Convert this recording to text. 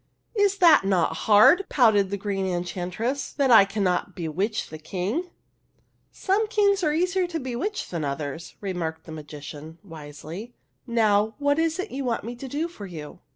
" Is it not hard," pouted the Green Enchantress, " that I cannot bewitch the King ?"" Some kings are easier to bewitch than others," remarked the magician, w^isely. " Now, what is it you want me to do for you?"